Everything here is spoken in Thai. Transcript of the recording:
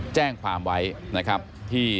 แจ้งความไว้นะครับที่